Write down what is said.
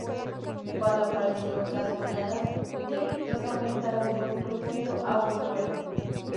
Cuando apareció, las oleadas de gritos aumentaron de un rugido a un trueno.